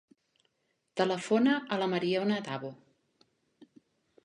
Telefona a la Mariona Davo.